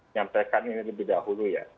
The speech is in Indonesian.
nyampaikan ini lebih dahulu ya